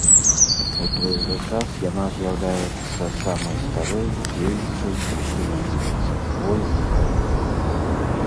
У той жа час яна з'яўляецца самай старой дзеючай хрысціянскай царквой у краіне.